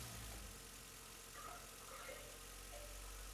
另外三位分别为赵少昂。